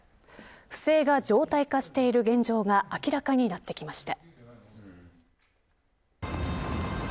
不正が常態化している現状が明らかになってきました。